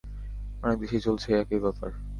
অনেক দেশেই চলছে একই ব্যাপার।